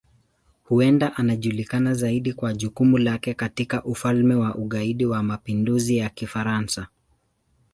Huenda anajulikana zaidi kwa jukumu lake katika Ufalme wa Ugaidi wa Mapinduzi ya Kifaransa.